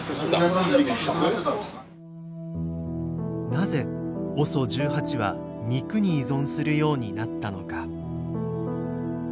なぜＯＳＯ１８は肉に依存するようになったのか。